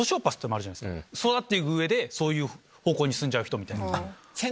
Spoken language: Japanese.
育っていく上でそういう方向に進んじゃう人みたいな。